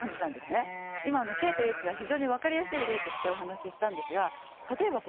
今のＫとＨは非常に分かりやすい例としてお話ししたんですが例えばこれがですね